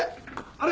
あれ？